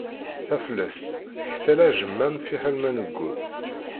Taflest tektal ajmam fiḥel ma neggul.